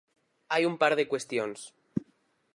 Hai un par de cuestións.